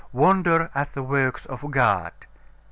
Wonder at the works of God.